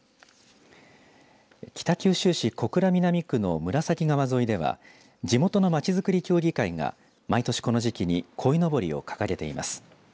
北九州市小倉南区の紫川沿いでは地元のまちづくり協議会が毎年この時期にこいのぼりを掲げています。